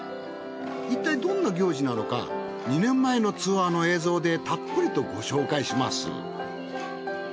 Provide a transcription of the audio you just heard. いったいどんな行事なのか２年前のツアーの映像でたっぷりとご紹介します。